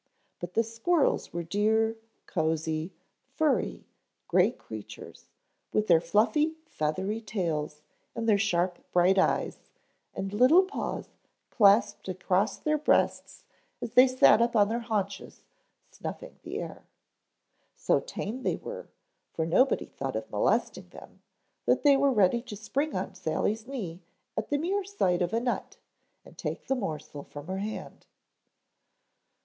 But the squirrels were dear, cosy, furry, gray creatures, with their fluffy, feathery tails and their sharp bright eyes, and little paws clasped across their breasts as they sat up on their haunches, snuffing the air. So tame they were, for nobody thought of molesting them, that they were ready to spring on Sally's knee at the mere sight of a nut and take the morsel from her hand.